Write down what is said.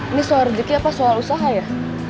ini soal rezeki apa soal usaha ya